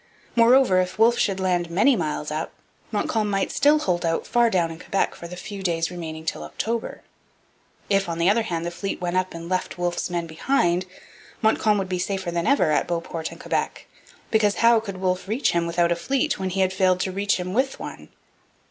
Moreover, if Wolfe should land many miles up, Montcalm might still hold out far down in Quebec for the few days remaining till October. If, on the other hand, the fleet went up and left Wolfe's men behind, Montcalm would be safer than ever at Beauport and Quebec; because, how could Wolfe reach him without a fleet when he had failed to reach him with one?